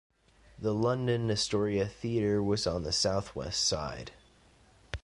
The London Astoria theatre was on the south west side.